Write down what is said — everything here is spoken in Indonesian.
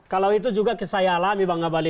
kalau itu juga kesayalan ibang ngabalin